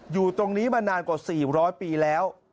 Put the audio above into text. อยู่ตรงนี้มานานกว่า๔๐๐ปีแล้ว